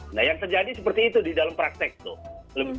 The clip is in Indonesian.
nah yang terjadi seperti itu di dalam praktek tuh